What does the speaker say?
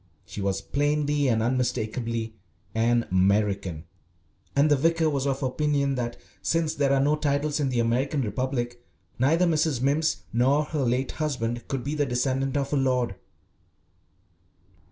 She was plainly and unmistakably an American, and the vicar was of opinion that, since there are no titles in the American Republic, neither Mrs. Mimms nor her late husband could be the descendant of a lord.